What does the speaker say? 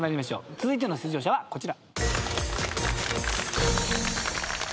続いての出場者はこちら。